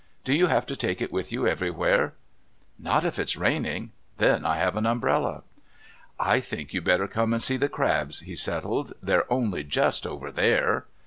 Do you have to take it with you everywhere?" "Not if it's raining. Then I have an umbrella." "I think you'd better come and see the crabs," he settled. "They're only just over there."